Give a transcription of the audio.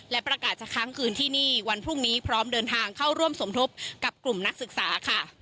และประกาศจะค้างคืนที่นี่วันพรุ่งนี้พร้อมเดินทางเข้าร่วมสมทบกับกลุ่มนักศึกษาค่ะ